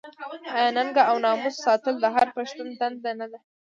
آیا ننګ او ناموس ساتل د هر پښتون دنده نه ده؟